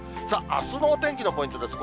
あすのお天気のポイントです。